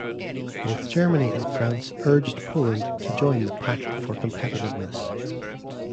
Both Germany and France urged Poland to join the pact for competitiveness.